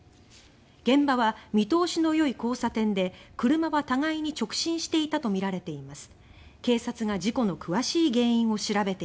現場は、見通しの良い交差点で車は互いに直進していたとみられています。